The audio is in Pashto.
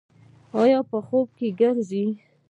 ایا په خوب کې ګرځئ؟